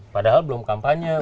padahal belum kampanye